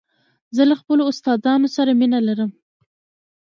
زه له خپلو استادانو سره مینه لرم.